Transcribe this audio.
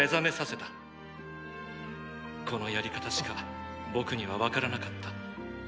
このやり方しか僕にはわからなかった。